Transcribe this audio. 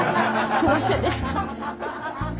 すみませんでした。